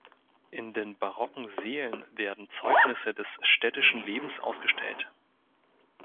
In den barocken Sälen werden Zeugnisse des städtischen Lebens ausgestellt.